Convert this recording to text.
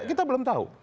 kita belum tahu